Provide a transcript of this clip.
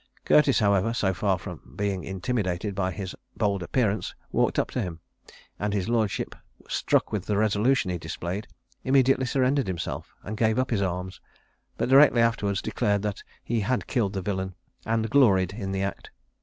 Curtis, however, so far from being intimidated by his bold appearance, walked up to him; and his lordship, struck with the resolution he displayed, immediately surrendered himself, and gave up his arms, but directly afterwards declared that he had killed the villain, and gloried in the act.